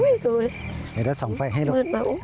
เดี๋ยวเราส่องไฟให้ลูก